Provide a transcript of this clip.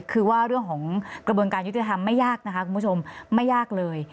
คือว่าเรื่องของกระบวนการยุติธรรมไม่ยากนะคะคุณผู้ชมไม่ยากเลย